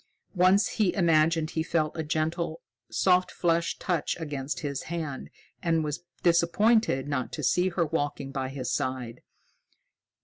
Once he imagined he felt a gentle, soft fleshed touch against his hand, and was disappointed not to see her walking by his side.